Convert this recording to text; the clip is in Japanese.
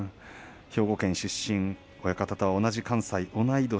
兵庫県出身、親方と同じ関西。